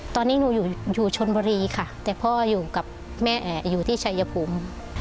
ตอนนี้หนูอยู่ชนบุรีค่ะแต่พ่ออยู่กับแม่อยู่ที่ชายภูมิ